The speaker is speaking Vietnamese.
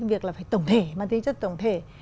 việc là phải tổng thể mang tính chất tổng thể